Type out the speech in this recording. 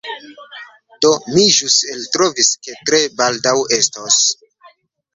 Do mi ĵus eltrovis ke tre baldaŭ estos